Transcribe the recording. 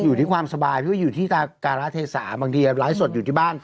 อยู่ที่ความสบายพี่ว่าอยู่ที่การาเทศาบางทีไลฟ์สดอยู่ที่บ้าน